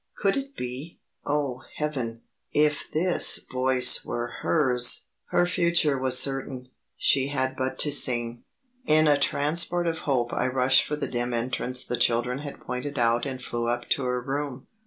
Could it be oh, heaven! if this voice were hers! Her future was certain; she had but to sing. In a transport of hope I rushed for the dim entrance the children had pointed out and flew up to her room.